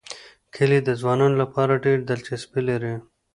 کلي د ځوانانو لپاره ډېره دلچسپي لري.